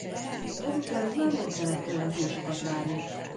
Ezután már nem kellett olyan túl sokat várni.